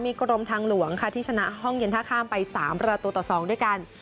กรมทางหลวงค่ะที่ชนะห้องเย็นท่าข้ามไป๓ประตูต่อ๒ด้วยกัน